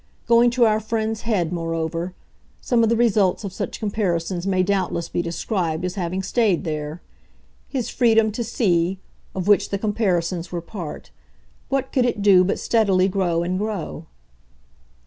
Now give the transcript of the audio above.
Going to our friend's head, moreover, some of the results of such comparisons may doubtless be described as having stayed there. His freedom to see of which the comparisons were part what could it do but steadily grow and grow?